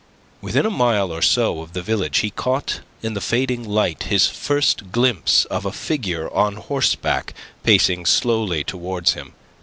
Within a mile or so of the village he caught in the fading light his first glimpse of a figure on horseback pacing slowly towards him.